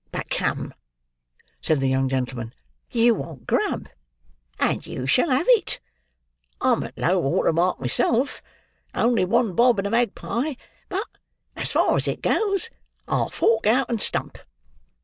But come," said the young gentleman; "you want grub, and you shall have it. I'm at low water mark myself—only one bob and a magpie; but, as far as it goes, I'll fork out and stump.